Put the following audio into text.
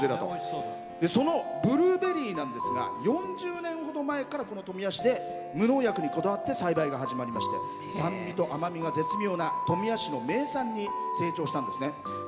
そのブルーベリーなんですが４０年ほど前から富谷市で無農薬にこだわって栽培が始まりまして酸味と甘みが絶妙な富谷市の特産品になったんですね。